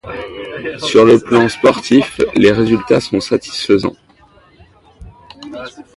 Sur le plan sportif, les résultats sont satisfaisants.